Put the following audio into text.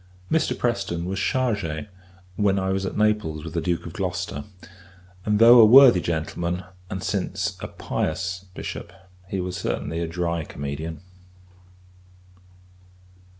Mr. Preston was chargé, when I was at Naples with the Duke of Gloucester; and, though a worthy gentleman, and since a pious Bishop, he was certainly a dry comedian.